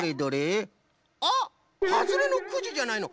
あっはずれのくじじゃないの。